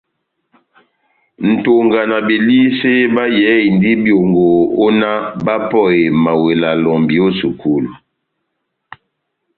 Nʼtonga na Belisé bayɛhɛndini byongo ó náh bapɔheni mawela lɔmbi ó sukulu.